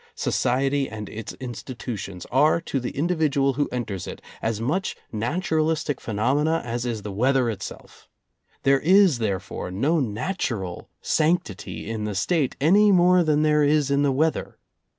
Society and its institutions are, to the individual who enters it, as much naturalistic phenomena as is the weather itself. There is therefore, no natural sanctity in the State any more than there is in the weather.